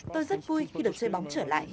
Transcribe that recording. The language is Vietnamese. tôi rất vui khi được chơi bóng trở lại